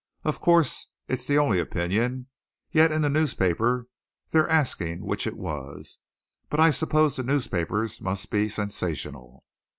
Of course! It's the only opinion. Yet in the newspaper they're asking which it was. But I suppose the newspapers must be sensational."